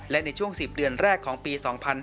และในช่วง๑๐เดือนแรกของปี๒๕๕๙